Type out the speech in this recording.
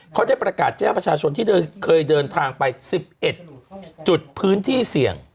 เขาได้ประกาศแจ้งประชาชนที่เคยเดินทางไป๑๑จุดพื้นที่เสี่ยง